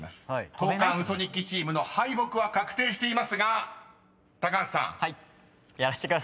［交換ウソ日記チームの敗北は確定していますが高橋さん］